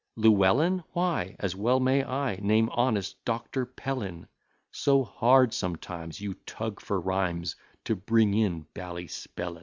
Llewellyn why? As well may I Name honest Doctor Pellin; So hard sometimes you tug for rhymes, To bring in Ballyspellin.